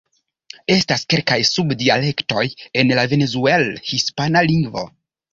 Estas kelkaj sub-dialektoj en la Venezuel-hispana lingvo.